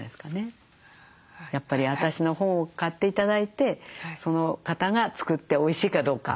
やっぱり私の本を買って頂いてその方が作っておいしいかどうか。